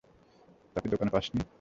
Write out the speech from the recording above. তাকে দোকানে পাস নি?